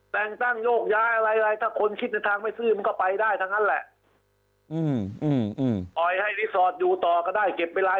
แปลงกั้นโยคย้าอะไรถ้าคนคิดในทางไม่ซื่อก็ไปได้ทั้งอันแหละ